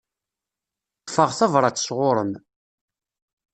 Ṭṭfeɣ tabrat sɣuṛ-m.